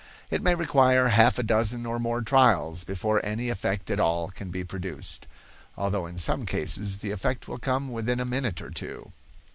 It may require half a dozen or more trials before any effect at all can be produced, although in some cases the effect will come within a minute or two.